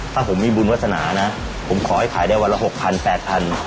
ถ้าผมมีบุญวาสนานะผมขอให้ขายได้วันละ๖๐๐๘๐๐บาท